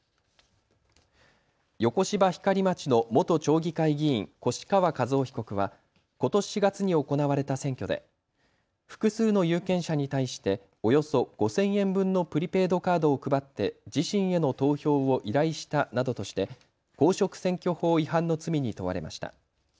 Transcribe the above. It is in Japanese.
横芝光町の元町議会議員、越川一雄被告はことし４月に行われた選挙で複数の有権者に対しておよそ５０００円分のプリペイドカードを配って自身への投票を依頼したなどとして公職選挙法違反の罪に問われました。